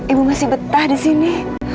ibu masih betah disini